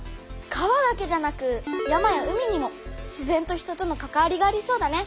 川だけじゃなく山や海にも自然と人とのかかわりがありそうだね。